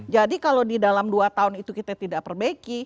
jadi kalau di dalam dua tahun itu kita tidak perbaiki